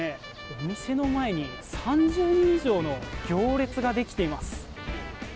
お店の前に３０人以上の行列ができています。